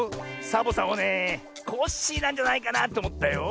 サボさんはねえコッシーなんじゃないかなっておもったよ。